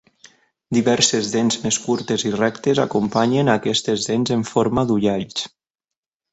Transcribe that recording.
Diverses dents més curtes i rectes acompanyen a aquestes dents en forma d'ullals.